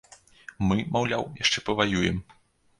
Мы, маўляў, яшчэ паваюем.